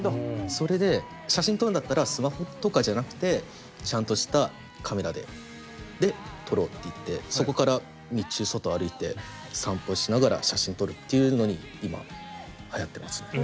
それで写真撮るんだったらスマホとかじゃなくてちゃんとしたカメラでで撮ろうっていってそこから日中外歩いて散歩しながら写真撮るっていうのに今はやってます。